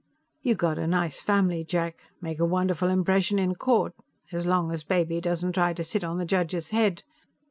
"You got a nice family, Jack. Make a wonderful impression in court as long as Baby doesn't try to sit on the judge's head.